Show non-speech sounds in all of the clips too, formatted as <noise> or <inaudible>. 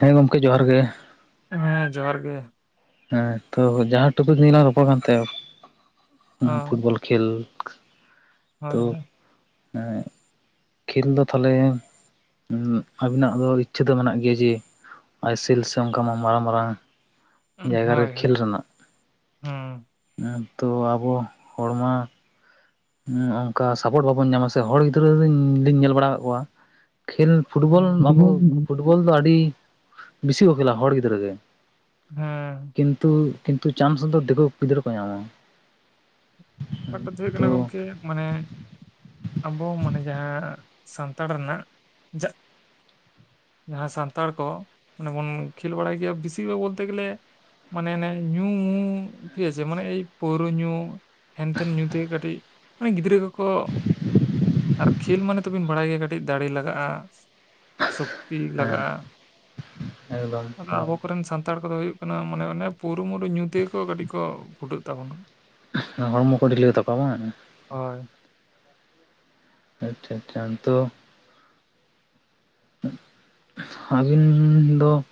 ᱦᱮᱸ ᱜᱚᱢᱠᱮ ᱡᱚᱦᱟᱨ ᱜᱮ᱾ ᱦᱮᱸ ᱡᱚᱦᱟᱨ ᱜᱮ᱾ ᱦᱮᱸ ᱛᱚ ᱡᱟᱦᱟᱸ ᱴᱚᱯᱤᱠ ᱱᱤᱭᱮᱞᱟᱝ ᱨᱚᱯᱚᱲ ᱠᱟᱱ ᱛᱟᱦᱮ ᱩᱸ ᱦᱚᱸ ᱯᱷᱩᱴᱵᱚᱞ ᱠᱷᱮᱞᱠ ᱦᱳᱭ ᱛᱚ ᱦᱳᱭ ᱮᱸᱫ ᱠᱷᱮᱞ ᱫᱚ ᱛᱟᱞᱦᱮ ᱩᱸᱜ ᱟᱵᱤᱱᱟᱜ ᱫᱚ ᱤᱪᱪᱷᱟᱹ ᱫᱚ ᱢᱮᱱᱟᱜ ᱜᱮᱭᱟ ᱡᱮ ᱟᱭ ᱮᱥ ᱮᱞ ᱥᱮ ᱚᱱᱠᱟ ᱢᱟ-ᱢᱟᱨᱟᱝ ᱢᱟᱨᱟᱝ ᱡᱟᱭᱜᱟ ᱨᱮ ᱦᱳᱭ ᱦᱳᱭ ᱦᱩᱸ ᱠᱷᱮᱞ ᱨᱮᱱᱟᱜ᱾ ᱦᱩᱸ ᱮᱸᱛᱚ ᱟᱵᱚ ᱦᱚᱲ ᱢᱟ ᱩᱸ ᱚᱱᱠᱟ ᱥᱟᱯᱳᱴ ᱵᱟᱵᱚᱱ ᱧᱟᱢᱟ ᱥᱮ᱾ ᱦᱚᱲ ᱜᱤᱫᱽᱨᱟᱹ ᱞᱤᱧ ᱞᱤᱧ ᱧᱮᱞ ᱵᱟᱲᱟᱣ ᱠᱟᱫ ᱠᱚᱣᱟ ᱠᱷᱮᱞ ᱯᱷᱩᱴᱵᱚᱞ ᱟᱵᱚ ᱯᱷᱩᱴᱵᱚᱞ ᱫᱚ ᱟᱹᱰᱤ ᱵᱮᱥᱤ ᱠᱚ ᱠᱷᱮᱞᱟ ᱦᱚᱲ ᱜᱤᱫᱽᱨᱟᱹ ᱜᱮ᱾ ᱦᱩᱸ᱾ ᱠᱤᱱᱛᱩ ᱠᱤᱱᱛᱩ ᱪᱟᱱᱥ ᱫᱚ ᱫᱤᱠᱩ ᱜᱤᱫᱽᱨᱟᱹ ᱠᱚ ᱧᱟᱢᱟ ᱾ ᱠᱟᱛᱷᱟ ᱫᱚ ᱦᱩᱭᱩᱜ ᱠᱟᱱᱟ ᱜᱚᱝᱠᱮ ᱢᱟᱱᱮ ᱟᱵᱚ ᱢᱟᱱᱮ ᱡᱟᱦᱟᱸ ᱥᱟᱱᱛᱟᱲ ᱨᱮᱱᱟᱜ ᱡᱟᱜ ᱡᱟᱦᱟᱸ ᱥᱟᱱᱛᱟᱲ ᱠᱚ ᱚᱱᱮ ᱵᱚᱱ ᱠᱷᱮᱞ ᱵᱟᱲᱟᱭ ᱜᱮᱭᱟ ᱵᱮᱥᱤᱨ ᱵᱷᱟᱜᱽ ᱵᱚᱞᱛᱮ ᱜᱮᱞᱮ ᱢᱟᱱᱮ ᱟᱱᱮ ᱧᱩ ᱴᱷᱤᱠ ᱟᱪᱪᱷᱮ ᱢᱟᱱᱮ ᱮᱭ ᱯᱳᱣᱨᱟᱹ ᱧᱩ ᱦᱮᱱᱛᱮᱱ ᱧᱩ ᱛᱮᱜᱮ ᱠᱟᱹᱴᱤᱡ ᱢᱟᱱᱮ ᱜᱤᱫᱽᱨᱟᱹ ᱠᱚᱠᱚ ᱟᱨ ᱠᱷᱮᱞ ᱢᱟᱱᱮ ᱛᱚᱵᱤᱱ ᱵᱟᱲᱟᱭ ᱜᱮᱭᱟ ᱠᱟᱹᱴᱤᱡ ᱫᱟᱲᱮ ᱞᱟᱜᱟᱜᱼᱟ ᱾ ᱥᱚᱠᱛᱤ ᱦᱮᱸ ᱞᱟᱜᱟᱜᱼᱟ, ᱮᱠᱫᱚᱢ ᱟᱫᱚ ᱟᱵᱚ ᱟᱠᱚᱨᱮᱱ ᱥᱟᱱᱛᱟᱲ ᱠᱚᱫᱚ ᱦᱩᱭᱩᱜ ᱠᱟᱱᱟ ᱢᱟᱱᱮ ᱚᱱᱮ ᱯᱩᱨᱩᱢᱩᱨᱩ ᱧᱩ ᱛᱮᱜᱮᱠᱚ ᱠᱟᱹᱴᱤᱡ ᱠᱚ ᱯᱷᱩᱴᱟᱹᱜ ᱛᱟᱵᱚᱱᱟ ᱾ ᱦᱚᱲᱢᱚ ᱠᱚ ᱰᱷᱤᱞᱟᱹᱣ ᱛᱟᱠᱚᱣᱟ ᱵᱟᱝ ᱾ ᱦᱳᱭ ᱾ ᱟᱪᱪᱷᱟ ᱟᱪᱪᱷᱟ ᱱᱤᱛᱚᱜ ᱟᱹᱵᱤᱱᱻ ᱫᱚ ᱼᱼ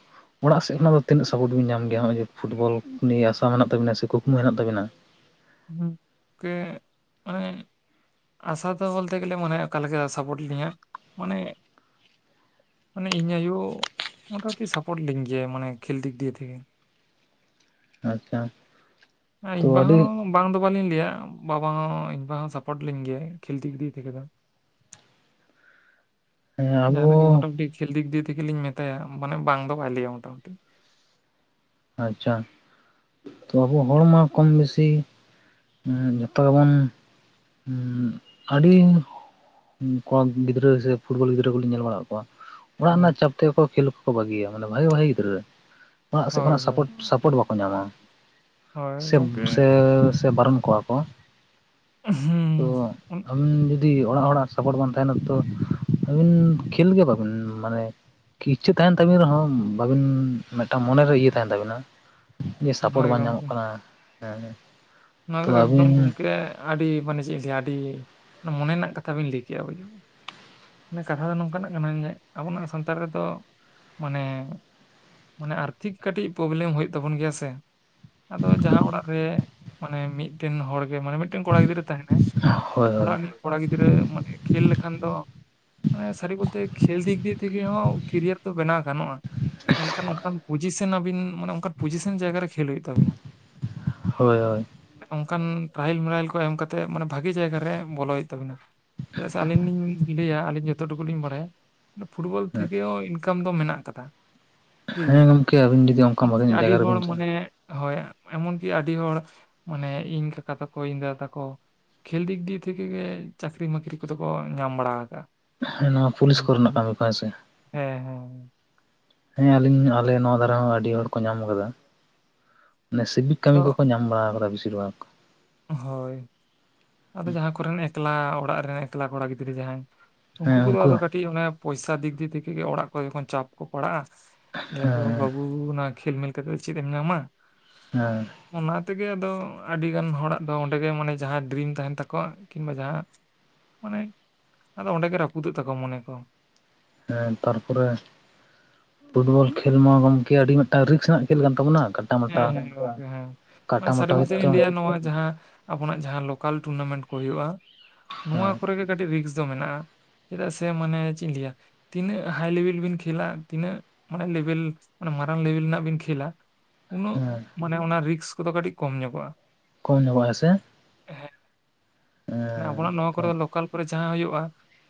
ᱚᱲᱟᱜ ᱥᱮᱫ ᱠᱷᱱᱟᱜ ᱫᱚ ᱛᱤᱱᱟᱹᱜ ᱥᱟᱯᱚᱴᱵᱤᱱ ᱧᱟᱢ ᱜᱮᱭᱟ ᱱᱚᱜᱼᱚᱭ ᱡᱮ ᱯᱷᱩᱴᱵᱚᱞ ᱱᱤᱭᱟᱹ ᱟᱥᱟ ᱢᱮᱱᱟᱜ ᱛᱟᱵᱤᱱᱟ ᱥᱮ ᱠᱩᱠᱢᱩ ᱢᱮᱱᱟᱜ ᱛᱟᱵᱤᱱᱟ? ᱦᱩᱸ ᱠᱮ ᱢᱟᱱᱮ ᱟᱥᱟ ᱫᱚ ᱵᱚᱞᱛᱮ ᱜᱮᱞᱮ ᱢᱟᱱᱮ ᱚᱠᱟ ᱞᱮᱠᱟ ᱥᱟᱯᱳᱴ ᱞᱤᱧᱟᱹ ᱢᱟᱱᱮ ᱢᱟᱱᱮ ᱤᱧ ᱟᱭᱳ ᱢᱳᱴᱟᱢᱩᱴᱤ ᱥᱟᱯᱳᱨᱴ ᱞᱤᱧ ᱜᱮᱭᱟ ᱢᱟᱱᱮ ᱠᱷᱮᱞ ᱫᱤᱠ ᱫᱤᱭᱮ ᱛᱮᱜᱮ ᱾ ᱟᱪᱪᱷᱟ ᱟ ᱛᱚ ᱤᱧ ᱵᱟ ᱟᱹᱰᱤ ᱦᱚᱸ ᱵᱟᱝ ᱫᱚ ᱵᱟᱹᱞᱤᱧ ᱞᱟᱹᱭᱟ ᱵᱟᱵᱟ ᱦᱚ ᱤᱧ ᱵᱟ ᱦᱚᱸ ᱥᱟᱯᱳᱴ ᱞᱤᱧ ᱜᱮᱭᱟ ᱠᱷᱮᱞ ᱫᱤᱠ ᱫᱤᱭᱮ ᱛᱮ ᱫᱚ ᱾ <inaudible> ᱡᱟᱦᱟ ᱱᱟᱜ ᱜᱮ ᱟᱵᱚ ᱢᱚᱴᱟᱢᱩᱴᱤ ᱠᱷᱮᱞ ᱫᱤᱠ ᱫᱤᱭᱮ ᱛᱷᱮᱠᱮ ᱞᱤᱧ ᱢᱮᱛᱟᱭᱟ ᱢᱟᱱᱮ ᱵᱟᱝ ᱫᱚ ᱵᱟᱭ ᱞᱟᱹᱭᱟ ᱢᱚᱴᱟᱢᱩᱴᱤ ᱾ ᱟᱪᱪᱷᱟ ᱛᱚ ᱟᱵᱚ ᱦᱚᱲ ᱢᱟ ᱠᱚᱢ ᱵᱮᱥᱤ ᱦᱩᱸ ᱡᱚᱛᱚ ᱜᱮᱵᱚᱱ ᱟᱹᱰᱤ ᱠᱚᱢ ᱜᱤᱫᱽᱨᱟᱹ ᱥᱮ ᱯᱷᱩᱴᱵᱚᱞ ᱜᱤᱫᱽᱨᱟᱹ ᱠᱚᱞᱤᱧ ᱧᱮᱞ ᱵᱟᱲᱟ ᱠᱟᱫ ᱠᱚᱣᱟ ᱾ ᱚᱲᱟᱜ ᱦᱩᱸ᱾ ᱨᱮᱱᱟᱜ ᱪᱟᱯ ᱛᱮᱜᱮ ᱠᱚ ᱠᱷᱮᱞ ᱠᱚᱠᱚ ᱵᱟᱹᱜᱤᱭᱟ ᱢᱟᱱᱮ ᱵᱷᱟᱜᱮ ᱵᱷᱟᱜᱮ ᱜᱤᱫᱽᱨᱟᱹ ᱚᱲᱟᱜ ᱥᱮᱫ ᱦᱳᱭ ᱠᱷᱚᱱᱟᱜ ᱦᱳᱭ᱾ ᱥᱟᱯᱚᱴ ᱥᱟᱯᱚᱴ ᱵᱟᱠᱚ ᱧᱟᱢᱟ ᱦᱳᱭ ᱥᱮᱵ ᱜᱚᱝᱠᱮ ᱥᱮ ᱥᱮ ᱵᱟᱨᱚᱱ ᱠᱚᱣᱟ ᱠᱚ ᱾ ᱩᱸ ᱦᱩᱸ ᱾ ᱛᱚ ᱟᱹᱵᱤᱱ ᱡᱩᱫᱤ ᱚᱲᱟᱜ ᱦᱚᱲᱟᱜ ᱥᱟᱯᱳᱴ ᱵᱟᱝ ᱛᱟᱦᱮᱱᱟ ᱛᱚ ᱟᱹᱵᱤᱱ ᱠᱷᱮᱞ ᱜᱮ ᱵᱟᱹᱵᱤᱱ ᱢᱟᱱᱮ ᱠᱤ ᱤᱪᱪᱷᱟᱹ ᱛᱟᱦᱮᱱ ᱛᱟᱵᱤᱱ ᱨᱮᱦᱚᱸ ᱵᱟᱵᱤᱱ ᱢᱤᱫᱴᱟᱝ ᱢᱚᱱᱮ ᱨᱮ ᱤᱭᱟᱹ ᱛᱟᱦᱮᱱ ᱛᱟᱵᱤᱱᱟ, ᱡᱮ ᱥᱟᱯᱳᱨᱴ ᱦᱳᱭ ᱵᱟᱝ ᱜᱚᱝᱠᱮ᱾ ᱧᱟᱢᱚᱜ ᱠᱟᱱᱟ ᱦᱮᱸ ᱾ ᱱᱚᱣᱟ ᱫᱚ ᱮᱠᱫᱚᱢ ᱜᱚᱝᱠᱮ ᱟᱹᱰᱤ ᱢᱟᱱᱮ ᱪᱮᱫ ᱤᱧ ᱞᱟᱹᱭᱟ ᱟᱹᱰᱤ ᱢᱚᱱᱮ ᱨᱮᱱᱟᱜ ᱠᱟᱛᱷᱟ ᱵᱤᱱ ᱞᱟᱹᱭ ᱠᱮᱜᱼᱟ ᱵᱤᱱ ᱾ ᱢᱟᱱᱮ ᱠᱟᱛᱷᱟ ᱫᱚ ᱱᱚᱝᱠᱟᱱᱟᱜ ᱠᱟᱱᱟ ᱡᱮ ᱟᱵᱚᱱᱟᱜ ᱥᱟᱱᱛᱟᱲ ᱨᱮᱫᱚ ᱢᱟᱱᱮ ᱢᱟᱱᱮ ᱟᱨᱛᱷᱤᱠ ᱠᱟᱹᱴᱤᱡ ᱯᱨᱚᱵᱞᱮᱢ ᱦᱩᱭᱩᱜ ᱛᱟᱵᱚᱱ ᱜᱮᱭᱟ ᱥᱮ ᱟᱫᱚ ᱡᱟᱦᱟᱸ ᱚᱲᱟᱜ ᱨᱮ ᱢᱟᱱᱮ ᱢᱤᱫᱴᱮᱱ ᱦᱚᱲ ᱜᱮ ᱢᱟᱱᱮ ᱢᱤᱫᱴᱮᱱ ᱠᱚᱲᱟ ᱜᱤᱫᱽᱨᱟᱹ ᱛᱟᱦᱮᱱᱟᱭ ᱦᱳᱭ ᱦᱳᱭ ᱚᱲᱟᱜ ᱱᱤᱡ ᱠᱚᱲᱟ ᱜᱤᱫᱽᱨᱟᱹ ᱢᱟᱱᱮ ᱠᱷᱮᱞ ᱞᱮᱠᱷᱟᱱ ᱫᱚ ᱢᱟᱱᱮ ᱥᱟᱹᱨᱤ ᱵᱚᱞᱛᱮ ᱠᱷᱮᱞ ᱫᱤᱠ ᱫᱤᱭᱮ ᱛᱷᱮᱠᱮ ᱦᱚᱸ ᱠᱮᱨᱤᱭᱟᱨ ᱫᱚ ᱵᱮᱱᱟᱣ ᱜᱟᱱᱚᱜᱼᱟ ᱾ ᱢᱮᱱᱠᱷᱟᱱ ᱚᱱᱠᱟᱱ ᱯᱚᱡᱤᱥᱮᱱ ᱟᱵᱤᱱ ᱢᱟᱱᱮ ᱚᱱᱠᱟᱱ ᱯᱚᱡᱤᱥᱮᱱ ᱡᱟᱭᱜᱟ ᱨᱮ ᱠᱷᱮᱞ ᱦᱩᱭᱩᱜ ᱛᱟᱵᱤᱱᱟ ᱾ ᱦᱳᱭ ᱦᱳᱭ ᱾ ᱚᱝᱠᱟᱱ ᱴᱮᱨᱟᱭᱮᱞ ᱢᱮᱨᱟᱭᱮᱞ ᱠᱚ ᱮᱢ ᱠᱟᱛᱮᱜ ᱢᱟᱱᱮ ᱵᱷᱟᱜᱮ ᱡᱟᱭᱜᱟᱨᱮ ᱵᱚᱞᱚ ᱦᱩᱭᱩᱜ ᱛᱟᱵᱤᱱᱟ᱾ ᱪᱮᱫᱟᱜ ᱥᱮ ᱟᱹᱞᱤᱧ ᱞᱤᱧ ᱞᱟᱹᱭᱟ ᱟᱹᱞᱤᱧ ᱡᱚᱛᱚ ᱴᱩᱠᱩ ᱞᱤᱧ ᱵᱟᱲᱟᱭᱟ᱾ ᱯᱷᱩᱴᱵᱚᱞ ᱛᱷᱮᱠᱮᱣ ᱤᱱᱠᱟᱢ ᱫᱚ ᱢᱮᱱᱟᱜ ᱠᱟᱫᱟ᱾ ᱦᱮᱸ ᱜᱚᱝᱠᱮ ᱟᱹᱵᱤᱱ ᱡᱩᱫᱤ ᱚᱝᱠᱟ ᱵᱷᱟᱜᱤᱧᱚᱜ ᱡᱟᱭᱜᱟ ᱨᱮᱵᱮᱱ ᱪᱟᱜᱼᱟ ᱢᱟᱱᱮ ᱾ ᱦᱳᱭ ᱮᱢᱚᱱ ᱠᱤ ᱟᱹᱰᱤ ᱦᱚᱲ ᱢᱟᱱᱮ ᱤᱧ ᱠᱟᱠᱟ ᱛᱟᱠᱚ ᱤᱧ ᱫᱟᱫᱟ ᱛᱟᱠᱚ ᱠᱷᱮᱞ ᱫᱤᱠ ᱫᱤᱭᱟ ᱛᱷᱮᱠᱮ ᱜᱮ ᱪᱟᱹᱠᱨᱤ ᱵᱟᱹᱠᱨᱤ ᱠᱚᱫᱚ ᱠᱚ ᱧᱟᱢ ᱵᱟᱲᱟ ᱟᱠᱟᱜᱟ᱾ ᱦᱮᱸ ᱱᱚᱣᱟ ᱯᱩᱞᱤᱥ ᱠᱚᱨᱮᱱᱟᱜ ᱠᱟᱹᱢᱤ ᱠᱚ ᱦᱮᱸᱥᱮ? ᱦᱮᱸ ᱦᱮᱸ ᱾ ᱦᱮᱸ ᱟᱹᱞᱤᱧ ᱟᱞᱮ ᱱᱚᱣᱟ ᱫᱷᱟᱨᱮ ᱦᱚᱸ ᱟᱹᱰᱤ ᱦᱚᱲ ᱠᱚ ᱧᱟᱢ ᱟᱠᱟᱫᱟ ᱢᱟᱱᱮ ᱥᱤᱵᱤᱠ ᱠᱟᱹᱢᱤ ᱛᱚ ᱠᱚᱠᱚ ᱧᱟᱢ ᱵᱟᱲᱟ ᱟᱠᱟᱫᱟ ᱵᱤᱥᱤᱨ ᱵᱷᱟᱜ ᱾ ᱦᱳᱭ ᱟᱫᱚ ᱡᱟᱦᱟᱸ ᱠᱚᱨᱮᱱ ᱮᱠᱞᱟ ᱚᱲᱟᱜ ᱨᱮ ᱮᱠᱞᱟ ᱠᱚᱲᱟ ᱜᱤᱫᱽᱨᱟᱹ ᱡᱟᱦᱟᱸᱭ ᱩᱱᱠᱩ ᱠᱚᱫᱚ ᱟᱫᱚ ᱠᱟᱹᱴᱤᱡ ᱚᱱᱮ ᱯᱚᱭᱥᱟ ᱫᱤᱠ ᱫᱤᱭᱮ ᱛᱷᱮᱠᱮᱜᱮ ᱚᱲᱟᱜ ᱠᱚ ᱡᱚᱠᱷᱚᱱ ᱪᱟᱯ ᱠᱚ ᱯᱟᱲᱦᱟᱜᱼᱟ ᱞᱟᱹᱭᱟᱠᱚ ᱦᱮᱸ ᱵᱟᱹᱵᱩ ᱚᱱᱟ ᱠᱷᱮᱞ ᱢᱮᱞ ᱠᱟᱛᱮᱫ ᱪᱮᱫ ᱮᱢ ᱧᱟᱢᱟ ᱾ <unintelligible> ᱚᱱᱟ ᱛᱮᱜᱮ ᱟᱫᱚ ᱟᱹᱰᱤ ᱜᱟᱱ ᱦᱚᱲᱟᱜ ᱟᱫᱚ ᱚᱸᱰᱮ ᱜᱮ ᱢᱟᱱᱮ ᱡᱟᱦᱟᱸ ᱰᱤᱨᱤᱢ ᱛᱟᱦᱮᱱ ᱛᱟᱠᱚᱣᱟ ᱠᱤᱝᱵᱟ ᱡᱟᱦᱟᱸᱭᱟᱜ ᱢᱟᱱᱮ ᱟᱫᱚ ᱚᱸᱰᱮ ᱜᱮ ᱨᱟᱹᱯᱩᱫᱚᱜ ᱛᱟᱠᱚᱣᱟ ᱢᱚᱱᱮ ᱠᱚ ᱾ ᱦᱮᱸ ᱛᱟᱨᱯᱚᱨᱮ ᱯᱷᱩᱴᱵᱚᱞ ᱠᱷᱮᱞ ᱢᱟ ᱜᱚᱝᱠᱮ ᱟᱹᱰᱤ ᱢᱤᱫᱴᱟᱝ ᱨᱤᱠᱥ ᱨᱮᱱᱟᱜ ᱠᱷᱮᱞ ᱠᱟᱱ ᱛᱟᱵᱚᱱᱟ ᱾ ᱦᱮᱸ ᱜᱚᱝᱠᱮ ᱦᱮᱸ ᱦᱮᱸ ᱥᱟᱹᱨᱤ ᱠᱟᱛᱷᱟ ᱦᱳᱭᱛᱳ ᱜᱤᱧ ᱞᱟᱹᱭᱟ ᱱᱚᱣᱟ ᱡᱟᱦᱟᱸ ᱟᱵᱚᱱᱟᱜ ᱡᱟᱦᱟᱸ ᱞᱳᱠᱟᱞ ᱴᱩᱨᱱᱟᱢᱮᱱᱴ ᱠᱚ ᱦᱩᱭᱩᱜᱼᱟ ᱱᱚᱣᱟ ᱦᱮᱸ ᱠᱚᱨᱮ ᱜᱮ ᱠᱟᱹᱴᱤᱡ ᱨᱤᱠᱥ ᱫᱚ ᱢᱮᱱᱟᱜᱼᱟ ᱾ ᱪᱮᱫᱟᱜ ᱥᱮ ᱢᱟᱱᱮ ᱪᱮᱫ ᱤᱧ ᱞᱟᱹᱭᱟ? ᱛᱤᱱᱟᱹᱜ ᱦᱟᱭ ᱞᱮᱵᱮᱞ ᱵᱤᱱ ᱠᱷᱮᱞᱟ ᱛᱤᱱᱟᱹᱜ ᱢᱟᱱᱮ ᱞᱮᱵᱮᱞ ᱚᱱᱟ ᱢᱟᱨᱟᱝ ᱞᱮᱵᱮᱞ ᱨᱮᱱᱟᱜ ᱵᱤᱱ ᱠᱷᱮᱞᱟ ᱾ ᱩᱱᱟᱹᱜ ᱢᱟᱱᱮ ᱚᱱᱟ ᱨᱤᱠᱥ ᱠᱚᱫᱚ ᱠᱟᱹᱴᱤᱡ ᱠᱚᱢ ᱧᱚᱜᱚᱜᱼᱟ ᱾ ᱠᱚᱢ ᱧᱚᱜ-ᱟ ᱦᱮᱸᱥᱮ? ᱟᱵᱚᱱᱟᱜ ᱱᱚᱣᱟ ᱛᱚ ᱠᱚᱨᱮ ᱞᱳᱠᱟᱞ ᱠᱚᱨᱮ ᱡᱟᱦᱟᱸ ᱦᱩᱭᱩᱜᱼᱟ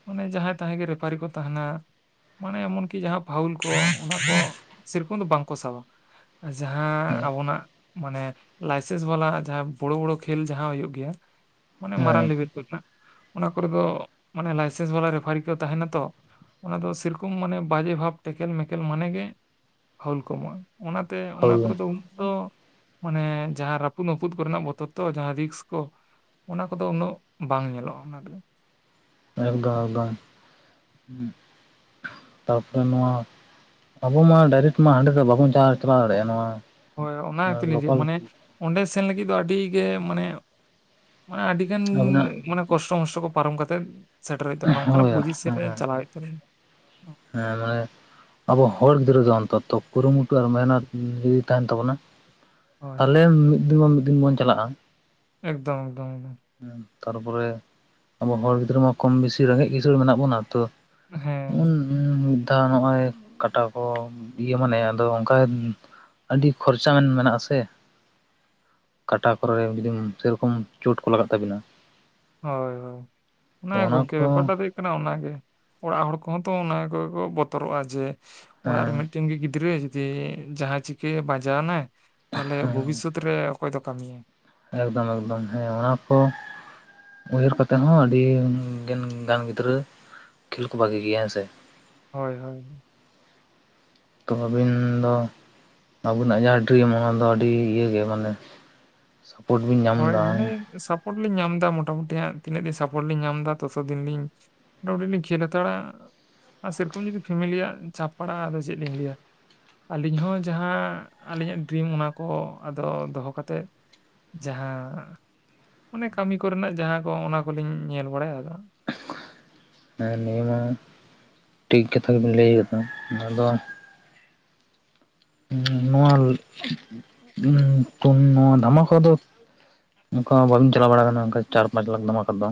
ᱢᱟᱱᱮ ᱡᱟᱦᱟᱸᱭ ᱛᱟᱦᱮᱸ ᱜᱮ ᱨᱮᱯᱟᱨᱤ ᱠᱚ ᱛᱟᱦᱮᱱᱟ ᱢᱟᱱᱮ ᱮᱢᱚᱱ ᱠᱤ ᱡᱟᱦᱟᱸ ᱯᱟᱹᱣᱩᱞ ᱠᱚ ᱚᱱᱟ ᱠᱚ ᱥᱮᱨᱚᱠᱟᱢ ᱫᱚ ᱵᱟᱝᱠᱚ ᱥᱟᱵ-ᱟ ᱡᱟᱦᱟᱸ ᱦᱮᱸ ᱟᱵᱚᱱᱟᱜ ᱢᱟᱱᱮ ᱞᱟᱭᱥᱮᱱᱥ ᱵᱟᱞᱟ ᱡᱟᱦᱟᱸ ᱵᱚᱲᱚ ᱵᱚᱲᱚ ᱠᱷᱮᱞ ᱡᱟᱦᱟᱸ ᱦᱩᱭᱩᱜ ᱜᱮᱭᱟ ᱢᱟᱱᱮ ᱢᱟᱨᱟᱝ ᱞᱮᱵᱮᱞ ᱠᱚᱨᱮ ᱚᱱᱟ ᱠᱚᱨᱮ ᱫᱚ ᱢᱟᱱᱮ ᱞᱟᱭᱥᱮᱱᱥ ᱵᱟᱞᱟ ᱨᱮᱯᱷᱟᱨᱤ ᱠᱚ ᱛᱟᱦᱮᱱᱟ ᱛᱚ ᱾ ᱚᱱᱟ ᱫᱚ ᱥᱮᱨᱚᱠᱚᱢ ᱢᱟᱱᱮ ᱵᱟᱡᱮ ᱵᱷᱟᱵ ᱴᱮᱠᱮᱞ ᱢᱮᱠᱮᱞ ᱢᱟᱱᱮ ᱜᱮ ᱯᱟᱹᱣᱩᱞ ᱠᱚ ᱮᱢᱚᱜᱼᱟ ᱾ ᱚᱱᱟ ᱛᱮ ᱚᱱᱟ ᱯᱷᱟᱣᱩᱞ ᱠᱚᱨᱮ ᱫᱚ ᱩᱱᱟᱹᱜ ᱫᱚ ᱢᱟᱱᱮ ᱡᱟᱦᱟᱸ ᱨᱟᱹᱯᱩᱫ ᱱᱟᱹᱯᱩᱫ ᱠᱚᱨᱮᱱᱟᱜ ᱵᱚᱛᱚᱨ ᱛᱚ ᱡᱟᱦᱟᱸ ᱨᱤᱠᱥ ᱠᱚ ᱚᱱᱟ ᱠᱚᱫᱚ ᱩᱱᱟᱹᱜ ᱵᱟᱝ ᱧᱮᱞᱚᱜ-ᱟ ᱚᱱᱟ ᱨᱮᱫᱚ᱾ ᱮᱠᱫᱚᱢ ᱮᱠᱫᱚᱢ ᱾ ᱛᱟᱯᱚᱨᱮ ᱱᱚᱣᱟ ᱟᱵᱚ ᱢᱟ ᱰᱟᱭᱨᱮᱴ ᱢᱟ ᱦᱟᱸᱰᱮ ᱫᱚ ᱵᱟᱵᱚᱱ ᱪᱟ ᱪᱟᱞᱟᱣ ᱫᱟᱲᱮᱭᱟᱜᱼᱟ ᱱᱚᱣᱟ ᱦᱳᱭ ᱚᱱᱟ ᱜᱮ ᱛᱚ ᱞᱤᱧ <unintelligible> ᱞᱳᱠᱟᱞ ᱢᱟᱱᱮ ᱚᱸᱰᱮ ᱥᱮᱱ ᱞᱟᱹᱜᱤᱫ ᱫᱚ ᱟᱹᱰᱤ ᱜᱮ ᱢᱟᱱᱮ ᱢᱟᱱᱮ ᱟᱹᱰᱤ ᱟᱹᱰᱤ ᱜᱟᱱ ᱟᱵᱤᱱᱟᱜ ᱢᱟᱱᱮ ᱠᱚᱥᱴᱚ ᱢᱚᱥᱴᱚ ᱠᱚ ᱯᱟᱨᱚᱢ ᱠᱟᱛᱮᱜ ᱥᱮᱴᱮᱨ ᱦᱩᱭᱩᱜ ᱛᱟᱵᱚᱱᱟ ᱱᱚᱝᱠᱟᱱᱟᱜ ᱦᱳᱭ ᱯᱚᱡᱤᱥᱚᱱ ᱦᱮᱸ ᱨᱮ ᱪᱟᱞᱟᱣ ᱦᱩᱭᱩᱜ ᱛᱟᱵᱚᱱᱟ ᱾ ᱦᱮᱸ ᱢᱟᱱᱮ ᱟᱵᱚ ᱦᱚᱲ ᱜᱤᱫᱽᱨᱟᱹ ᱫᱚ ᱚᱱᱛᱚᱛᱚ ᱠᱩᱨᱩᱢᱩᱴᱩ ᱢᱟᱭᱱᱚᱛ ᱡᱩᱫᱤ ᱛᱟᱦᱮᱱ ᱛᱟᱵᱚᱱᱟ᱾ ᱦᱳᱭ ᱾ ᱛᱟᱦᱚᱞᱮ ᱢᱤᱫ ᱫᱤᱱ ᱵᱟᱝ ᱢᱤᱫ ᱫᱤᱱ ᱵᱚᱱ ᱪᱟᱞᱟᱜᱼᱟ ᱾ ᱮᱠᱫᱚᱢ ᱮᱠᱫᱚᱢ ᱮᱠᱫᱚᱢ ᱾ ᱦᱮᱸ ᱛᱟᱨᱯᱚᱨᱮ ᱟᱵᱚ ᱦᱚᱲ ᱜᱤᱫᱽᱨᱟᱹ ᱢᱟ ᱠᱚᱢ ᱵᱮᱥᱤ ᱨᱮᱸᱜᱮᱡ ᱠᱤᱥᱟᱹᱲ ᱢᱮᱱᱟᱜ ᱵᱚᱱᱟ ᱾ ᱛᱚ ᱦᱮᱸ <unintelligible> ᱢᱤᱫ ᱫᱷᱟᱣ ᱱᱚᱜᱼᱚᱭ ᱠᱟᱴᱟ ᱠᱚ ᱤᱭᱟᱹ ᱢᱟᱱᱮ ᱟᱫᱚ ᱚᱱᱠᱟ ᱟᱹᱰᱤ ᱠᱷᱚᱨᱪᱟ ᱢᱮᱱᱟᱜᱼᱟ ᱥᱮ᱾ ᱠᱟᱴᱟ ᱠᱚᱨᱮ ᱮᱠᱫᱚᱢ ᱥᱮᱨᱚᱠᱚᱢ ᱪᱚᱳᱴ ᱠᱚ ᱞᱟᱜᱟᱜ ᱛᱟᱵᱤᱱᱟ᱾ ᱦᱳᱭ ᱦᱳᱭ ᱚᱱᱟ ᱛᱚ ᱜᱚᱝᱠᱮ ᱠᱚ ᱵᱮᱯᱟᱨᱴᱟᱜ ᱫᱚ ᱠᱟᱱᱟ ᱚᱱᱟᱜᱮ ᱚᱲᱟᱜ ᱦᱚᱲ ᱠᱚᱦᱚᱸ ᱛᱚ ᱚᱱᱟ ᱠᱚᱜᱮ ᱠᱚ ᱵᱚᱛᱚᱨᱚᱜ-ᱟ ᱡᱮ ᱚᱲᱟᱜ ᱨᱮ ᱦᱮᱸ ᱢᱤᱫᱴᱮᱱ ᱜᱮ ᱜᱤᱫᱽᱨᱟᱹ ᱡᱩᱫᱤ ᱡᱟᱦᱟᱸ ᱪᱤᱠᱟᱹᱭᱮ ᱵᱟᱡᱟᱣᱱᱟᱭ ᱛᱟᱦᱚᱞᱮ ᱵᱷᱚᱵᱤᱥᱚᱛ ᱨᱮ ᱚᱠᱚᱭ ᱫᱚ ᱠᱟᱹᱢᱤᱭᱟ᱾ ᱮᱠᱫᱚᱢ ᱮᱠᱫᱚᱢ ᱦᱮᱸ ᱚᱱᱟ ᱠᱚ ᱩᱭᱦᱟᱹᱨ ᱠᱟᱛᱮᱫ ᱦᱚᱸ ᱟᱹᱰᱤ ᱜᱟᱱ ᱜᱤᱫᱽᱨᱟᱹ ᱠᱷᱮᱞ ᱠᱚ ᱵᱷᱟᱹᱜᱤ ᱜᱮᱭᱟ, ᱦᱮᱸ ᱥᱮ? ᱦᱳᱭ ᱦᱳᱭ᱾ ᱛᱚ ᱟᱵᱤᱱ ᱫᱚ ᱟᱹᱵᱤᱱᱟᱜ ᱡᱟᱦᱟᱸ ᱰᱨᱤᱢ ᱚᱱᱟ ᱫᱚ ᱟᱹᱰᱤ ᱤᱭᱟᱹ ᱜᱮ ᱢᱟᱱᱮ ᱥᱟᱯᱳᱨᱴ ᱵᱤᱱ ᱧᱟᱢ ᱮᱫᱟ᱾ ᱯᱳᱴ ᱞᱤᱧ ᱧᱟᱢ ᱮᱫᱟ ᱢᱚᱴᱟᱢᱩᱴᱤ ᱦᱟᱸᱜ ᱛᱤᱱᱟᱹᱜ ᱫᱤᱱ ᱥᱟᱯᱚᱴ ᱞᱤᱧ ᱧᱟᱢ ᱮᱫᱟ ᱛᱟᱛᱚ ᱫᱤᱱ ᱞᱤᱧ ᱢᱟᱴᱟᱢᱩᱴᱤ ᱞᱤᱧ ᱠᱷᱮᱞ ᱦᱟᱛᱟᱲᱟ ᱟᱨ ᱥᱮᱨᱚᱠᱚᱢ ᱡᱩᱫᱤ ᱯᱷᱮᱢᱮᱞᱤᱭᱟᱜ ᱪᱷᱟᱯ ᱯᱟᱲᱟᱜ-ᱟ ᱟᱫᱚ ᱪᱮᱫ ᱞᱤᱧ ᱞᱟᱹᱭᱟ᱾ ᱟᱹᱞᱤᱧ ᱦᱚᱸ ᱡᱟᱦᱟᱸ ᱟᱹᱞᱤᱧᱟᱜ ᱰᱨᱤᱢ ᱚᱱᱟ ᱠᱚ ᱟᱫᱚ ᱫᱚᱦᱚ ᱠᱟᱛᱮᱫ ᱡᱟᱦᱟᱸ ᱚᱱᱮ ᱠᱟᱹᱢᱤ ᱠᱚᱨᱮᱱᱟᱜ ᱡᱟᱦᱟᱸ ᱠᱚ ᱚᱱᱟ ᱠᱚᱞᱤᱧ ᱧᱮᱞ ᱵᱟᱲᱟᱭᱟ ᱟᱫᱚ ᱦᱮᱸ ᱱᱤᱭᱟᱹ ᱢᱟ ᱴᱷᱤᱠ ᱠᱟᱛᱷᱟ ᱜᱮᱵᱤᱱ ᱞᱟᱹᱭ ᱟᱠᱟᱫᱟ ᱱᱚᱣᱟ ᱫᱚ ᱱᱚᱣᱟ ᱩᱸ ᱴᱩᱱ ᱱᱚᱣᱟ ᱫᱷᱟᱢᱟᱠᱟ ᱫᱚ ᱚᱱᱠᱟ ᱢᱟ ᱵᱟᱵᱤᱱ ᱪᱟᱞᱟᱣ ᱵᱟᱲᱟ ᱠᱟᱱᱟ ᱚᱱᱠᱟ ᱪᱟᱨ-ᱯᱟᱸᱪ ᱞᱟᱠᱷ ᱫᱟᱢᱟᱠᱟ ᱫᱚ᱾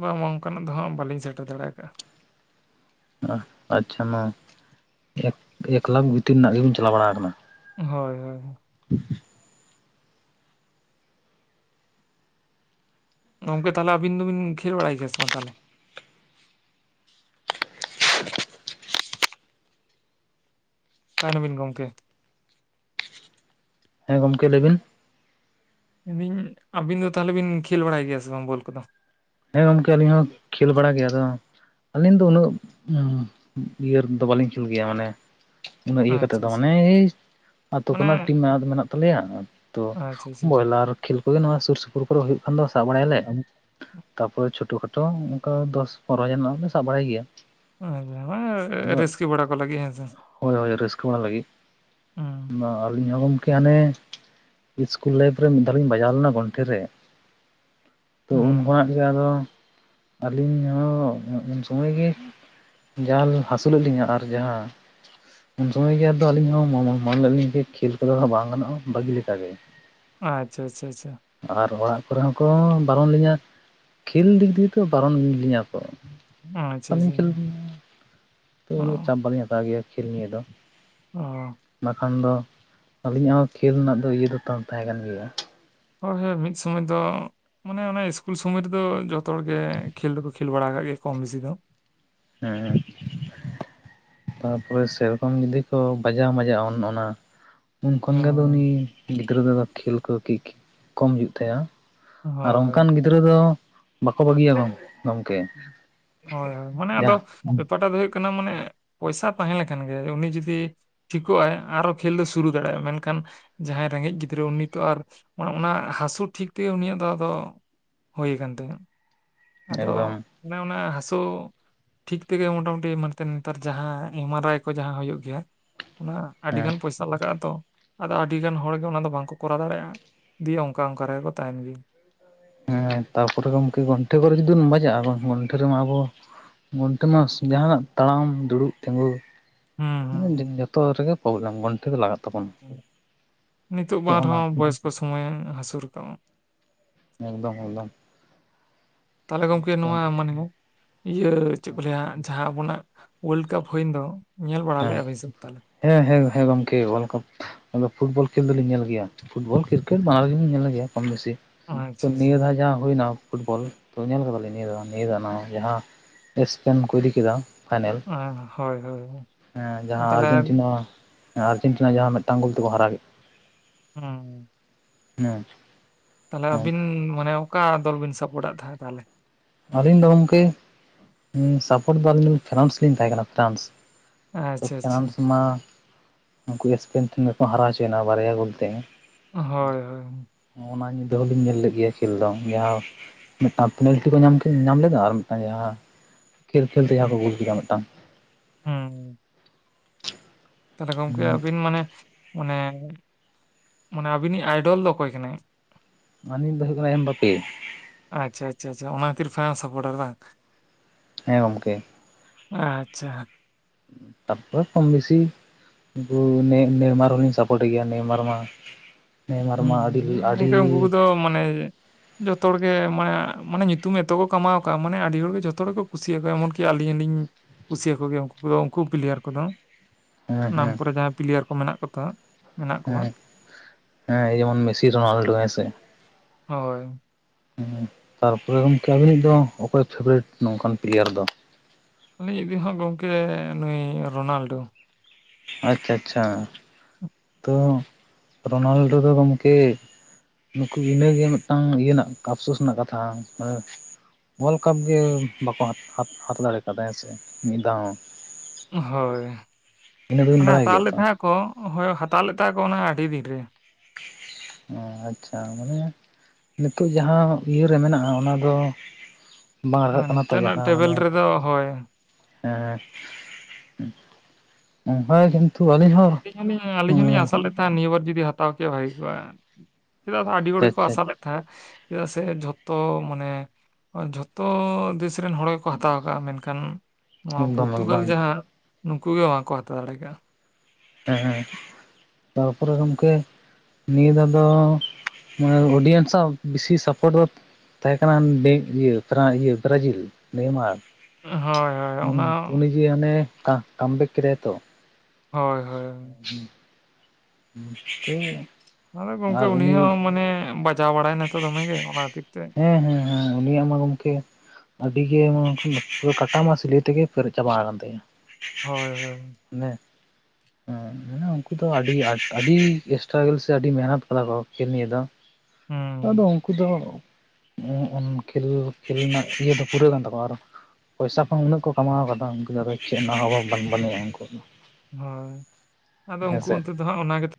ᱵᱟᱝ ᱵᱟᱝ ᱚᱱᱠᱟᱱᱟᱜ ᱫᱚ ᱦᱟᱸᱜ ᱵᱟᱞᱤᱧ ᱥᱮᱴᱮᱨ ᱫᱟᱲᱮ ᱟᱠᱟᱜ-ᱟ᱾ ᱚᱦ᱾ ᱟᱪᱪᱷᱟ ᱱᱚᱣᱟ ᱮᱠ ᱮᱠᱞᱟᱠᱷ ᱵᱷᱤᱛᱤᱨ ᱨᱮᱱᱟᱜ ᱜᱮᱵᱤᱱ ᱪᱟᱞᱟᱣ ᱵᱟᱲᱟ ᱟᱠᱟᱱᱟ᱾ ᱦᱳᱭ ᱦᱳᱭ ᱦᱳᱭ᱾ ᱜᱚᱝᱠᱮ ᱛᱟᱦᱚᱞᱮ ᱟᱵᱤᱱ ᱫᱚᱵᱤᱱ ᱠᱷᱮᱞ ᱵᱟᱲᱟᱭ ᱜᱮᱭᱟ ᱥᱮ ᱵᱟᱝ ᱛᱟᱦᱚᱞᱮ? ᱚᱠᱟᱭ ᱱᱟᱵᱤᱱ ᱜᱚᱝᱠᱮ᱾ ᱦᱮᱸ ᱜᱚᱢᱠᱮ ᱞᱟᱹᱭ ᱵᱤᱱ᱾ ᱢᱮᱱ ᱫᱟᱹᱧ ᱟᱵᱤᱱ ᱫᱚ ᱛᱟᱦᱚᱞᱮ ᱵᱤᱱ ᱠᱷᱮᱞ ᱵᱟᱲᱟᱭ ᱜᱮᱭᱟ ᱥᱮ ᱵᱟᱝ ᱵᱚᱞ ᱠᱚᱫᱚ? ᱦᱮᱸ ᱜᱚᱝᱠᱮ ᱟᱹᱞᱤᱧ ᱦᱚᱸ ᱠᱷᱮᱞ ᱵᱟᱲᱟ ᱜᱮ ᱟᱫᱚ ᱟᱹᱞᱤᱧ ᱫᱚ ᱩᱱᱟᱹᱜ ᱩᱸᱢ ᱤᱭᱟᱹ ᱨᱮᱱ ᱫᱚ ᱵᱟᱹᱞᱤᱧ ᱠᱷᱮᱞ ᱜᱮᱭᱟ ᱢᱟᱱᱮ ᱩᱱᱟᱹᱜ ᱤᱭᱟᱹ ᱠᱟᱛᱮ ᱟᱪᱪᱷᱟ ᱫᱚ ᱟᱪᱪᱷᱟ ᱢᱟᱱᱮ ᱮᱭ ᱟᱛᱳ ᱠᱚ ᱢᱟᱱᱮ ᱨᱮᱱᱟᱜ ᱴᱤᱢ ᱢᱮᱱᱟᱜ ᱫᱚ ᱢᱮᱱᱟᱜ ᱛᱟᱞᱮᱭᱟ ᱛᱚ ᱟᱪᱪᱷᱟ ᱟᱪᱪᱷᱟ ᱦᱮᱸ ᱵᱚᱭᱞᱟᱨ ᱠᱷᱮᱞ ᱠᱚᱜᱮ ᱱᱚᱣᱟ ᱥᱩᱨ ᱥᱩᱯᱩᱨ ᱠᱚᱨᱮ ᱦᱩᱭᱩᱜ ᱠᱷᱟᱱ ᱫᱚ ᱥᱟᱵ ᱵᱟᱲᱟᱭᱟᱞᱮ᱾ <unintelligible> ᱛᱟᱨᱯᱚᱨᱮ ᱪᱷᱳᱴᱳ ᱠᱷᱟᱴᱳ ᱚᱱᱠᱟ ᱫᱚᱥ ᱯᱚᱱᱨᱚ ᱦᱟᱡᱟᱨ ᱨᱮᱱᱟᱜ ᱦᱚᱞᱮ ᱥᱟᱵ ᱵᱟᱲᱟᱭ ᱜᱮᱭᱟ᱾ ᱟᱫᱚ <unintelligible> ᱨᱟᱹᱥᱠᱟᱹ ᱵᱟᱲᱟ ᱠᱚ ᱞᱟᱹᱜᱤᱫ, ᱦᱮᱸᱥᱮ? ᱦᱳᱭ ᱦᱳᱭ ᱨᱟᱹᱥᱠᱟᱹ ᱵᱟᱲᱟ ᱞᱟᱹᱜᱤᱫ᱾ ᱦᱩᱸ ᱟᱫᱚ ᱟᱹᱞᱤᱧ ᱦᱚᱸ ᱜᱚᱢᱠᱮ ᱦᱟᱱᱮ ᱤᱥᱠᱩᱞ ᱞᱟᱭᱤᱯᱷ ᱨᱮ ᱢᱤᱫ ᱫᱷᱟᱣ ᱞᱤᱧ ᱵᱟᱡᱟᱣ ᱞᱮᱱᱟ ᱜᱚᱱᱴᱷᱮ ᱨᱮ᱾ ᱛᱚ ᱩᱱ ᱦᱩᱸ ᱠᱟ ᱫᱚ ᱟᱹᱞᱤᱧ ᱦᱚᱸ ᱩᱱ ᱥᱩᱢᱟᱹᱭ ᱜᱮ ᱡᱟᱞ ᱦᱟᱹᱥᱩ ᱞᱮᱫ ᱞᱤᱧᱟᱹ ᱟᱨ ᱡᱟᱦᱟᱸ ᱩᱱ ᱥᱚᱢᱚᱭ ᱜᱮ ᱟᱹᱞᱤᱧ ᱦᱚᱸ ᱢᱚ-ᱢᱚ-ᱢᱚᱱᱮ ᱞᱮᱫ ᱞᱤᱧ ᱡᱮ ᱠᱷᱮᱞ ᱠᱚᱫᱚ ᱦᱟᱸᱜ ᱵᱟᱝ ᱜᱟᱱᱚᱜ-ᱟ, ᱵᱟᱹᱜᱤ ᱞᱮᱠᱟᱜᱮ᱾ ᱟᱪᱪᱷᱟ ᱟᱪᱪᱷᱟ ᱟᱪᱪᱷᱟ ᱟᱪᱪᱷᱷ᱾ ᱟᱨ ᱚᱲᱟᱜ ᱠᱚᱨᱮ ᱦᱚᱸᱠᱚ ᱵᱟᱨᱚᱱ ᱞᱤᱧᱟᱹ᱾ ᱠᱷᱮᱞ ᱫᱤᱠ ᱫᱤᱭᱮ ᱛᱚ ᱵᱟᱨᱚᱱ ᱞᱤᱧᱟᱹ ᱠᱚ᱾ ᱟᱪᱪᱷᱟ ᱵᱟᱹᱞᱤᱧ ᱠᱷᱮᱞ ᱟᱪᱪᱷᱟ ᱛᱚ ᱚ ᱩᱱᱟᱹᱜ ᱪᱟᱯ ᱵᱟᱹᱞᱤᱧ ᱦᱟᱛᱟᱣ ᱜᱮᱭᱟ ᱠᱷᱮᱞ ᱱᱤᱭᱮ ᱫᱚ᱾ ᱚ᱾ ᱵᱟᱠᱷᱟᱱ ᱫᱚ ᱟᱹᱞᱤᱧᱟᱜ ᱦᱚᱸ ᱠᱷᱮᱞ ᱨᱮᱱᱟᱜ ᱫᱚ ᱤᱭᱟᱹ ᱫᱚ ᱛᱟᱴ ᱛᱟᱦᱮᱸ ᱠᱟᱱ ᱜᱮᱭᱟ᱾ ᱦᱳᱭ ᱦᱳᱭ ᱢᱤᱫ ᱥᱩᱢᱚᱭ ᱫᱚ ᱢᱟᱱᱮ ᱚᱱᱮ ᱤᱥᱠᱩᱞ ᱥᱚᱢᱚᱭ ᱨᱮᱫᱚ ᱡᱚᱛᱚ ᱦᱚᱲᱜᱮ ᱠᱷᱮᱞ ᱫᱚᱠᱚ ᱠᱷᱮᱞ ᱵᱟᱲᱟ ᱟᱠᱟᱫ ᱜᱮᱭᱟ ᱠᱚᱢ ᱵᱮᱥᱤ ᱫᱚ᱾ ᱦᱮᱸ᱾ ᱛᱟᱯᱚᱨᱮ ᱥᱮᱨᱚᱠᱚᱢ ᱡᱩᱫᱤ ᱠᱚ ᱵᱟᱡᱟᱣ ᱢᱟᱡᱟᱭ-ᱟ ᱚᱱ ᱚᱱᱟ ᱩᱱᱠᱷᱚᱱ ᱜᱮ ᱟᱫᱚ ᱩᱱᱤ ᱦᱮᱸ ᱜᱤᱫᱽᱨᱟᱹ ᱫᱚ ᱟᱫᱚ ᱠᱷᱮᱞ ᱠᱚ ᱠᱤᱠ ᱠᱚᱢ ᱦᱩᱭᱩᱜ ᱛᱟᱭᱟ᱾ ᱟᱨ ᱦᱳᱭ ᱚᱱᱠᱟᱱ ᱜᱤᱫᱽᱨᱟᱹ ᱫᱚ ᱵᱟᱠᱚ ᱵᱟᱹᱜᱤᱭᱟ ᱜᱚᱝᱠᱮ᱾ ᱦᱳᱭ ᱦᱳᱭ ᱢᱟᱱᱮ ᱟᱫᱚ ᱵᱮᱯᱟᱨᱴᱟᱜ ᱫᱚ ᱦᱩᱭᱩᱜ ᱠᱟᱱᱟ ᱢᱟᱱᱮ ᱯᱚᱭᱥᱟ ᱛᱟᱦᱮᱸ ᱞᱮᱠᱷᱟᱱ ᱜᱮ ᱩᱱᱤ ᱡᱩᱫᱤ ᱴᱷᱤᱠᱚᱜᱼ ᱟᱭ ᱟᱨᱚ ᱠᱷᱮᱞ ᱫᱚ ᱥᱩᱨᱩ ᱫᱟᱲᱮᱭᱟᱜᱼᱟ ᱢᱮᱱᱠᱷᱟᱱ, ᱡᱟᱦᱟᱸᱭ ᱨᱮᱸᱜᱮᱡ ᱜᱤᱫᱽᱨᱟᱹ ᱩᱱᱤ ᱛᱚ ᱟᱨ ᱚᱱᱟ ᱦᱟᱹᱥᱩ ᱴᱷᱤᱠ ᱛᱮᱜᱮ ᱩᱱᱤᱭᱟᱜ ᱫᱚ ᱟᱫᱚ ᱦᱩᱭ ᱠᱟᱱ ᱛᱟᱭᱟ᱾ ᱟᱫᱚ ᱮᱠᱫᱚᱢ ᱚᱱᱮ ᱚᱱᱟ ᱥᱩ ᱴᱷᱤᱠ ᱛᱮᱜᱮ ᱢᱚᱴᱟᱢᱩᱴᱤ ᱢᱟᱱᱛᱮ ᱱᱮᱛᱟᱨ ᱡᱟᱦᱟᱸ ᱮᱢᱟᱨᱟᱭ ᱠᱚ ᱡᱟᱦᱟᱸ ᱦᱩᱭᱩᱜ ᱜᱮᱭᱟ ᱚᱱᱟ ᱟᱹᱰᱤ ᱜᱟᱱ ᱯᱚᱭᱥᱟ ᱞᱟᱜᱟᱜᱼᱟ ᱛᱚ, ᱟᱫᱚ ᱟᱹᱰᱤ ᱜᱟᱱ ᱦᱚᱲᱜ ᱚᱱᱟ ᱫᱚ ᱵᱟᱝᱠᱚ ᱠᱚᱨᱟᱣ ᱫᱟᱲᱮᱭᱟᱜᱼᱟ ᱫᱤᱭᱮ ᱚᱝᱠᱟ ᱚᱝᱠᱟ ᱨᱮᱜᱮ ᱠᱚ ᱛᱟᱦᱮᱸᱱ ᱜᱮ᱾ ᱦᱮᱸ ᱛᱟᱨᱯᱚᱨᱮ ᱜᱚᱝᱠᱮ ᱜᱚᱱᱴᱷᱮ ᱠᱚᱨᱮ ᱡᱩᱫᱤ ᱵᱚᱱ ᱵᱟᱡᱟᱜᱼᱟ ᱜᱚᱱᱴᱷᱮ ᱨᱮᱢᱟ ᱟᱵᱚ ᱜᱚᱱᱴᱮ ᱢᱟᱥ ᱡᱟᱦᱟᱸᱱᱟᱜ ᱛᱟᱲᱟᱢ ᱫᱩᱲᱩᱵ ᱛᱮᱝᱜᱩ ᱦᱩᱸ, ᱦᱮᱸ ᱡᱚ ᱡᱚᱛᱚ ᱦᱚᱲ ᱨᱮᱜᱮ ᱯᱨᱚᱵᱽᱞᱮᱢ ᱜᱚᱱᱴᱷᱮ ᱫᱚ ᱞᱟᱜᱟᱛ ᱱᱤᱛᱚᱜ ᱵᱟ ᱚᱱᱟ ᱟᱨᱦᱚᱸ ᱵᱚᱭᱚᱥᱠᱚ ᱥᱚᱢᱚᱭ ᱦᱟᱹᱥᱩ ᱨᱟᱠᱟᱵᱼᱟᱢ ᱮᱠᱫᱚᱢ ᱮᱠᱫᱚᱢ᱾ ᱛᱟᱦᱚᱞᱮ ᱜᱚᱝᱠᱮ ᱱᱚᱣᱟ ᱢᱟᱱᱮ ᱤᱭᱟᱹ ᱪᱮᱜ ᱠᱚ ᱞᱟᱹᱭᱟ ᱡᱟᱦᱟᱸ ᱟᱵᱚᱱᱟᱜ ᱚᱣᱟᱹᱞᱰᱠᱟᱯ ᱦᱩᱭᱮᱸᱱ ᱫᱚ ᱧᱮᱞ ᱵᱟᱲᱟ ᱦᱮᱸ ᱞᱮᱜᱼᱟ ᱵᱤᱱ ᱥᱮ ᱵᱟᱝ ᱛᱟᱦᱚᱞᱮ? ᱦᱮᱸ ᱦᱮᱸ ᱦᱮᱸ ᱜᱚᱝᱠᱮ ᱚᱣᱟᱹᱞᱰ ᱠᱟᱯ ᱟᱫᱚ ᱯᱷᱩᱴᱵᱚᱞ ᱠᱷᱮᱞ ᱫᱚᱞᱤᱧ ᱧᱮᱞ ᱜᱮᱭᱟ ᱯᱷᱩᱴᱵᱚᱞ ᱠᱨᱤᱠᱮᱴ ᱵᱟᱱᱟᱨ ᱨᱮᱜᱮᱞᱤᱧ ᱧᱮᱞ ᱜᱮᱭᱟ ᱠᱚᱢ ᱵᱮᱥᱤ᱾ ᱛᱚ ᱟᱪᱪᱷᱟ ᱟᱪᱪᱷᱟ ᱱᱤᱭᱟᱹ ᱫᱷᱟᱣ ᱡᱟᱦᱟᱸ ᱦᱩᱭᱱᱟ ᱯᱷᱩᱴᱵᱚᱞ ᱛᱚ ᱧᱮᱞ ᱠᱟᱫᱟᱞᱤᱧ ᱱᱤᱭᱟᱹ ᱫᱷᱟᱣ ᱱᱤᱭᱟᱹ ᱫᱷᱟᱣ ᱚᱱᱟ ᱡᱟᱦᱟᱸ ᱮᱥᱯᱮᱱ ᱠᱚ ᱚᱫᱤᱠᱮᱫᱟ ᱯᱷᱟᱭᱱᱮᱞ ᱚᱸ ᱦᱳᱭ ᱦᱳᱭ ᱦᱳᱭ᱾ ᱦᱮᱸ ᱡᱟᱦᱟᱸ ᱛᱟᱦᱚᱞᱮ ᱟᱨᱡᱮᱱᱴᱤᱱᱟ ᱟᱨᱡᱮᱱᱴᱤᱱᱟ ᱡᱟᱦᱟᱸ ᱢᱤᱜᱴᱟᱝ ᱜᱚᱞ ᱛᱮᱠᱚ ᱦᱟᱨᱟᱣ ᱠᱮᱜ ᱦᱮᱸ ᱦᱮᱸ᱾ <unintelligible> ᱛᱟᱦᱚᱞᱮ ᱟᱵᱤᱱ ᱢᱟᱱᱮ ᱚᱠᱟ ᱫᱚᱞ ᱵᱤᱱ ᱥᱟᱯᱳᱴ ᱛᱟᱦᱮᱸᱜᱼᱟ ᱛᱟᱦᱚᱞᱮ? ᱟᱹᱞᱤᱧ ᱫᱚ ᱜᱚᱝᱠᱮ ᱩᱸ ᱥᱟᱯᱚᱴ ᱫᱚ ᱟᱞᱤᱧ ᱯᱷᱮᱨᱟᱥ ᱞᱤᱧ ᱛᱟᱦᱮᱸ ᱠᱟᱱᱟ ᱯᱷᱮᱨᱟᱱᱥ ᱛᱚ ᱟᱪᱪᱷᱟ ᱟᱪᱪᱷᱟ ᱯᱷᱮᱨᱟᱱᱥ ᱢᱟ ᱩᱱᱠᱩ ᱜᱮ ᱥᱮᱯᱮᱱ ᱴᱷᱮᱱ ᱜᱮᱠᱚ ᱦᱟᱨᱟᱣ ᱚᱪᱚᱭᱮᱱᱟ ᱵᱟᱨᱭᱟ ᱜᱚᱞᱛᱮ᱾ ᱦᱳᱭ ᱦᱳᱭ, ᱚᱱᱟ ᱧᱤᱫᱟᱹ ᱦᱚᱸᱞᱤᱧ ᱧᱮᱞ ᱞᱮᱜ ᱜᱮᱭᱟ ᱠᱷᱮᱞ ᱫᱚ ᱡᱟᱦᱟᱸ <unintelligible> ᱴᱤ ᱠᱚ ᱧᱟᱢ ᱧᱟᱢ ᱞᱮᱫᱟ ᱟᱨ ᱢᱤᱫᱴᱟᱝ ᱡᱟᱦᱟᱸ ᱠᱷᱮᱞ ᱠᱷᱮᱞ ᱛᱮ ᱡᱟᱦᱟᱸ ᱠᱚ ᱜᱚᱞ ᱠᱮᱫᱟ ᱢᱤᱫᱴᱟᱝ᱾ ᱦᱮᱸ ᱦᱩᱸ᱾ ᱛᱟᱦᱚᱞᱮ ᱜᱚᱝᱠᱮ ᱟᱵᱤᱱ ᱢᱟᱱᱮ ᱢᱟᱱᱮ ᱢᱟᱱᱮ ᱟᱵᱤᱱᱤᱜ ᱟᱭᱰᱚᱞ ᱫᱚ ᱚᱠᱚᱭ ᱠᱟᱱᱟᱭ? ᱟᱹᱞᱤᱧ ᱫᱚ ᱦᱩᱭᱩᱜ ᱠᱟᱱᱟ ᱮᱢ ᱵᱟᱯᱤ᱾ ᱟᱪᱪᱷᱟ ᱟᱪᱪᱷᱟ ᱟᱪᱪᱷᱟ ᱚᱱᱟ ᱠᱷᱛᱤᱨ <unintelligible> ᱥᱟᱯᱴᱟᱨ ᱵᱟᱝ ᱦᱮᱸ ᱜᱚᱝᱠᱮ᱾ ᱟᱪᱪᱷᱟ ᱦᱟᱹᱜ᱾ ᱛᱟᱨᱯᱚᱨ ᱠᱚᱢ ᱵᱮᱥᱤ ᱩᱱᱠᱩ ᱱᱮᱭᱢᱟᱨ ᱦᱚᱸᱞᱤᱧ ᱥᱟᱯᱚᱴᱮ ᱜᱮᱭᱟ ᱱᱮᱭᱢᱟᱨ ᱦᱚᱸ ᱢᱟ ᱱᱮᱭᱢᱟᱨ ᱢᱟ ᱟᱹᱰᱤᱞ ᱦᱩᱸ ᱟᱹᱰᱤ ᱜᱚᱝᱠᱮ ᱩᱱᱠᱩ ᱠᱚᱫᱚ ᱢᱟᱱᱮ ᱡᱚᱛᱚ ᱦᱚᱲ ᱜᱮ ᱢᱟᱱᱮ ᱢᱟᱱᱮ ᱧᱩᱛᱩᱢ ᱮᱛᱚ ᱠᱚ ᱠᱟᱢᱟᱣ ᱠᱟᱜ ᱢᱟᱱᱮ ᱟᱹᱰᱤ ᱦᱚᱲᱜᱮ ᱡᱚᱛᱚ ᱦᱚᱲ ᱜᱮᱠᱚ ᱠᱩᱥᱤᱭᱟᱠᱚᱣᱟ ᱮᱢᱚᱱ ᱠᱤ, ᱠᱮᱭᱟ ᱟᱹᱞᱤᱧ ᱦᱚᱸ ᱞᱤᱧ ᱠᱩᱥᱤᱭᱟᱠᱚ ᱜᱮᱭᱟ ᱩᱱᱠᱩ ᱠᱚᱫᱚ ᱩᱱᱠᱩ ᱯᱞᱮᱭᱟᱨ ᱠᱚᱫᱚ᱾ ᱦᱮᱸ ᱱᱟᱢ ᱦᱮᱸ ᱠᱚᱨᱮ ᱡᱟᱦᱟᱸᱭ ᱯᱞᱮᱭᱟᱨ ᱠᱚ ᱢᱮᱱᱟᱜ ᱠᱚᱛᱟ ᱢᱮᱱᱟᱜ ᱠᱚᱣᱟ ᱦᱮᱸ ᱦᱮᱸ ᱡᱮᱢᱚᱱ ᱢᱮᱥᱤ ᱨᱚᱱᱟᱞᱰᱳ ᱦᱮᱸᱥᱮ᱾ ᱦᱳᱭ᱾ ᱛᱟᱨᱯᱚᱨᱮ ᱜᱚᱝᱠᱮ ᱟᱵᱤᱱᱤᱡ ᱫᱚ ᱚᱠᱚᱭ ᱯᱷᱮᱵᱟᱨᱮᱴ ᱱᱚᱝᱠᱟᱱ ᱯᱞᱮᱭᱟᱨ ᱫᱚ? ᱟᱹᱞᱤᱧ ᱤᱫᱤ ᱦᱚᱸ ᱜᱚᱢᱠᱮ ᱱᱩᱭ ᱨᱳᱱᱟᱞᱰᱳ᱾ ᱟᱪᱪᱷᱟ ᱟᱪᱪᱷᱟ ᱛᱚ ᱨᱳᱱᱟᱞᱰᱳ ᱫᱚ ᱜᱚᱝᱠᱮ᱾ ᱱᱩᱠᱩ ᱤᱱᱟᱹᱜᱮ ᱢᱤᱫᱴᱟᱝ ᱤᱭᱟᱹ ᱨᱮᱱᱟᱜ ᱟᱯᱥᱳᱥ ᱨᱮᱱᱟᱜ ᱠᱟᱛᱷᱟ ᱾ ᱳᱭᱟᱨᱞᱰ ᱠᱟᱯ ᱜᱮ ᱵᱟᱠᱚ ᱦᱟᱛ-ᱦᱟᱛ ᱦᱟᱛᱟᱣ ᱫᱟᱲᱮᱣ ᱠᱟᱣᱫᱟ ᱦᱮᱸ ᱥᱮ ᱢᱤᱫ ᱫᱷᱟᱣ ᱦᱚᱸ᱾ ᱦᱳᱭ ᱤᱱᱟᱹ ᱫᱚᱵᱤᱱ ᱢᱚᱱᱮ ᱵᱟᱲᱟᱭ ᱦᱟᱛᱟᱣ ᱜᱮᱭᱟ ᱞᱮᱫ ᱛᱚ ᱛᱟᱦᱮᱸ ᱟᱠᱚ, ᱦᱳᱭ ᱦᱟᱛᱟᱣ ᱞᱮᱫ ᱛᱟᱦᱮᱸ ᱟᱠᱚ ᱚᱱᱟ ᱟᱹᱰᱤ ᱫᱤᱱ ᱨᱮ᱾ ᱚ ᱟᱪᱪᱷᱟ ᱢᱟᱱᱮ ᱱᱤᱛᱚᱜ ᱡᱟᱦᱟᱸ ᱤᱭᱟᱹᱨᱮ ᱢᱮᱱᱟᱜᱼᱟ ᱚᱱᱟ ᱫᱚ ᱵᱟᱝ ᱦᱳᱭ ᱨᱟᱜᱟᱜ ᱠᱟᱱᱟ ᱛᱚ ᱱᱤᱛᱚᱜ ᱨᱮᱱᱟᱜ ᱡᱟᱦᱟᱸ ᱴᱮᱵᱮᱞ ᱢᱟᱱᱮ ᱨᱮᱫᱚ ᱦᱳᱭ ᱦᱮᱸ ᱵᱟᱭ ᱠᱤᱱᱛᱩ ᱟᱹᱞᱤᱧ ᱦᱚᱸ ᱟᱹᱞᱤᱧ ᱦᱚᱸᱞᱤᱧ ᱟᱹᱞᱤᱧ ᱦᱚᱞᱤᱧ ᱟᱥᱟ ᱞᱮᱫ ᱛᱟᱦᱮᱸᱱᱟ ᱱᱤᱭᱟᱹᱵᱟᱨ ᱡᱩᱫᱤ ᱦᱟᱛᱟᱣ ᱠᱮᱭᱟ ᱵᱷᱜᱤ ᱠᱚᱜᱼᱟ᱾ ᱪᱮᱫᱟᱜ ᱥᱮ ᱟᱹᱰᱤ ᱦᱚᱲ ᱟᱪᱪᱷᱟ ᱜᱮᱠᱚ ᱟᱪᱪᱷᱟ ᱟᱥᱟ ᱞᱮᱫ ᱛᱟᱦᱮᱸᱫ ᱪᱮᱫᱟᱜ ᱥᱮ ᱡᱷᱚᱛᱚ ᱢᱟᱱᱮ ᱟᱨ ᱡᱷᱚᱛᱚ ᱫᱮᱥ ᱨᱮᱱ ᱦᱚᱲ ᱜᱮᱠᱚ ᱦᱟᱛᱟᱣ ᱟᱠᱟᱜᱼᱟ ᱢᱮᱱᱠᱷᱟᱱ ᱱᱚᱣᱟ ᱮᱠᱫᱚᱢ ᱯᱚᱨᱛᱩᱜᱟᱞ ᱮᱠᱫᱚᱢ ᱡᱟᱦᱟᱸ ᱱᱩᱠᱩ ᱜᱮ ᱵᱟᱝ ᱠᱚ ᱦᱟᱛᱟᱣ ᱫᱟᱲᱮ ᱠᱟᱜᱼᱟ᱾ ᱦᱮᱸ ᱦᱮᱸ ᱦᱮᱸᱛᱟᱨᱯᱚᱨᱮ ᱜᱚᱝᱠᱮ᱾ ᱱᱤᱭᱟᱹ ᱫᱷᱟᱣ ᱫᱚ ᱢᱟᱱᱮ ᱚᱰᱤᱭᱮᱱᱥ ᱟᱜ ᱵᱮᱥᱤ ᱥᱟᱯᱳᱨᱴ ᱫᱚ ᱛᱟᱦᱮᱸ ᱠᱟᱱᱟ ᱰᱮ ᱤᱭᱟ ᱯᱨᱟᱭ ᱤᱭᱟ ᱵᱨᱟᱡᱤᱞ, ᱱᱮᱭᱢᱟᱨ᱾ ᱦᱳᱭ ᱦᱳᱭ ᱩᱱ ᱚᱱᱟ ᱩᱱᱤ ᱡᱮ ᱦᱟᱱᱮ ᱠᱟᱢ ᱵᱮᱠ ᱠᱮᱫᱟᱭ ᱛᱚ᱾ ᱦᱳᱭ ᱦᱳᱭ᱾ <inaudible> ᱤᱧ ᱟᱫᱚ ᱜᱚᱝᱠᱮ ᱩᱱᱤ ᱦᱚᱸ ᱢᱟᱱᱮ ᱵᱟᱡᱟᱣ ᱵᱟᱲᱟᱭ ᱱᱟᱭ ᱛᱚ ᱫᱚᱢᱮ ᱜᱮ ᱚᱱᱟ ᱠᱷᱟᱹᱛᱤᱨ ᱛᱮ ᱦᱮᱸ ᱦᱮᱸ ᱦᱮᱸ ᱩᱱᱤᱭᱟᱜ ᱢᱟ ᱜᱚᱢᱠᱮ ᱟᱹᱰᱤ ᱜᱮ ᱯᱩᱨᱟᱹ ᱠᱟᱴᱟ ᱢᱟ ᱥᱤᱞᱟᱹᱭ ᱛᱮᱜᱮ ᱯᱮᱨᱮᱡ ᱪᱟᱵᱟ ᱟᱠᱟᱱ ᱛᱟᱭᱟ᱾ ᱦᱳᱭ ᱦᱳᱭ <unintelligible> ᱢᱟᱱᱮ ᱼᱼ ᱦᱮᱸ ᱢᱟᱱᱮ ᱩᱱᱠᱩ ᱫᱚ ᱟᱹᱰᱤ ᱟᱹᱰᱤ ᱥᱴᱨᱟᱜᱮᱞ ᱥᱮ ᱟᱹᱰᱤ ᱢᱮᱦᱱᱚᱛ ᱠᱟᱫᱟ ᱠᱚ ᱠᱷᱮᱞ ᱱᱤᱭᱟᱹ ᱫᱚ᱾ ᱟᱫᱚ ᱦᱩᱸ ᱩᱱᱠᱩ ᱫᱚ ᱠᱷᱮᱞ ᱠᱷᱮᱞ ᱨᱮᱱᱟᱜ ᱤᱭᱟᱹ ᱫᱚ ᱯᱩᱨᱟᱹᱣ ᱠᱟᱱ ᱛᱟᱠᱚᱣᱟ ᱟᱨᱚ᱾ ᱯᱚᱭᱥᱟ ᱠᱚ ᱩᱱᱟᱹᱜ ᱠᱚ ᱠᱟᱢᱟᱣ ᱠᱟᱫᱟ ᱩᱱᱠᱩ ᱫᱚ ᱪᱮᱫ ᱨᱮᱱᱟᱜ ᱦᱚᱸ ᱚᱵᱷᱟᱵ ᱵᱟᱱᱩᱜᱼᱟ ᱩᱱᱠᱩᱭᱟᱜ ᱫᱚ᱾ ᱦᱳᱭ ᱟᱫᱚ ᱩᱱᱠᱩ ᱦᱮᱸᱥᱮ ᱚᱱᱛᱮ ᱫᱚ ᱦᱟᱸᱜ ᱚᱵᱟ ᱜᱮ ᱛᱚ᱾